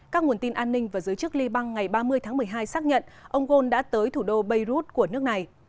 các nguồn tin an ninh và giới chức liban ngày ba mươi tháng một mươi hai xác nhận ông ghosn đã tới thủ đô beirut của nước này